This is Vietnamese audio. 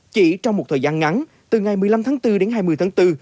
chỉ trong một thời gian ngắn từ ngày một mươi năm tháng bốn đến hai mươi tháng bốn